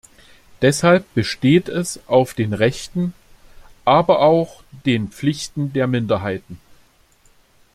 Deshalb besteht es auf den Rechten, aber auch den Pflichten der Minderheiten.